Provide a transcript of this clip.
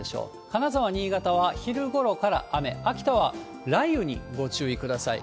金沢、新潟は昼ごろから雨、秋田は雷雨にご注意ください。